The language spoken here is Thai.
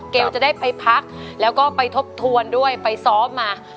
จะได้ไปพักแล้วก็ไปทบทวนด้วยไปซ้อมมา